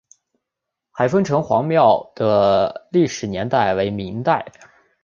海丰城隍庙的历史年代为明代。